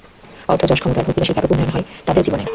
অর্থ, যশ, ক্ষমতা আর ভোগবিলাসের ব্যাপক উন্নয়ন হয় তাঁদেরও জীবনে।